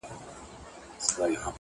داسي چي حیران’ دریان د جنگ زامن وي ناست’